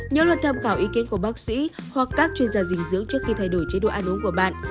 nhớ luôn tham khảo ý kiến của bác sĩ hoặc các chuyên gia dinh dưỡng trước khi thay đổi chế độ ăn uống của bạn